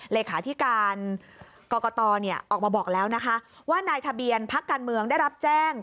เลขาธิการกรกตออกมาบอกแล้วนะคะว่านายทะเบียนพักการเมืองได้รับแจ้ง